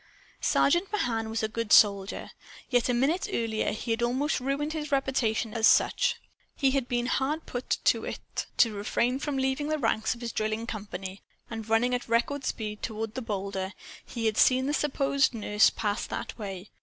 Sergeant Mahan was a good soldier. Yet a minute earlier he had almost ruined his reputation as such. He had been hard put to it to refrain from leaving the ranks of his drilling company, a furlong from the rocks, and running at record speed toward the boulders. For he had seen the supposed nurse pass that way.